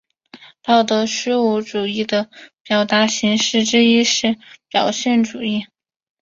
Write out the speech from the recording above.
道德虚无主义的表达形式之一是表现主义。